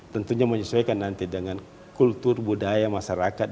tentunya menyesuaikan nanti dengan kultur budaya masyarakat